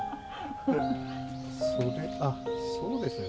それあそうですね。